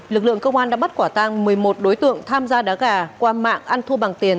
lực lượng công an đã bắt quả tang một mươi một đối tượng tham gia đá gà qua mạng ăn thua bằng tiền